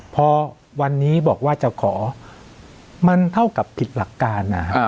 พอวันนี้บอกว่าจะขอมันเท่ากับผิดหลักการนะครับ